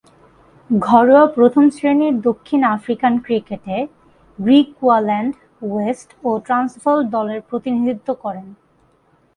ঘরোয়া প্রথম-শ্রেণীর দক্ষিণ আফ্রিকান ক্রিকেটে গ্রিকুয়াল্যান্ড ওয়েস্ট ও ট্রান্সভাল দলের প্রতিনিধিত্ব করেন।